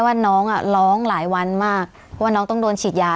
ว่าน้องอ่ะร้องหลายวันมากว่าน้องต้องโดนฉีดยา